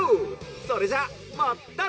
それじゃあまたね」。